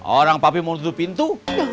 orang papi mau tutup pintu